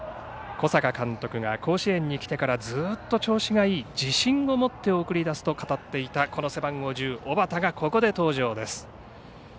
小坂監督が甲子園に来てからずっと調子がいい自信を持って送り出すと語っていた背番号１０小畠がここで登場です。